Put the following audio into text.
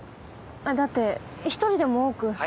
だって１人でも多く。